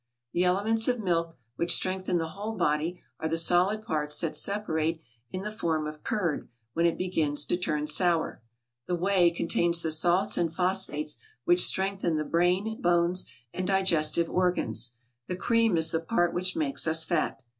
The elements of milk which strengthen the whole body are the solid parts that separate in the form of curd when it begins to turn sour; the whey contains the salts and phosphates which strengthen the brain, bones, and digestive organs; the cream is the part which makes us fat.